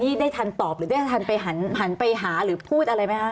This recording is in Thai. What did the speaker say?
นี่ได้ทันตอบหรือได้ทันไปหันไปหาหรือพูดอะไรไหมคะ